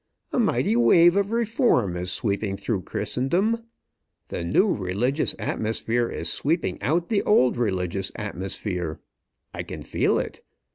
A mighty wave of reform is sweeping through Christendom. The new religious atmosphere is sweeping out the old religious atmosphere. I can feel it.